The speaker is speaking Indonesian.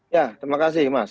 ya terima kasih mas